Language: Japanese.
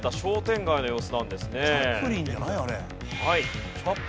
チャップリンじゃない？